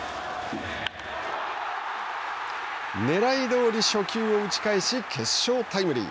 ねらいどおり初球を打ち返し決勝タイムリー。